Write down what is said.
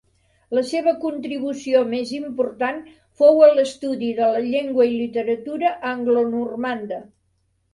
La seva contribució més important fou a l'estudi de la llengua i literatura anglonormanda.